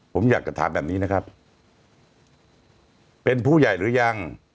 ผมอยากจะถามแบบนี้นะครับเป็นผู้ใหญ่หรือยัง